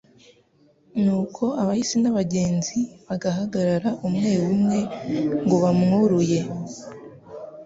nuko abahisi n'abagenzi bagahagarara umwe umwe ngo bamwuruye,